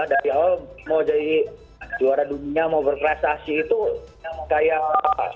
dari awal mau jadi juara dunia mau berprestasi itu kayak apa